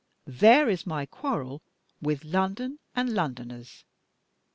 There is my quarrel with London and Londoners.